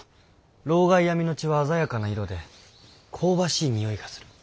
労咳病みの血は鮮やかな色で香ばしいにおいがする。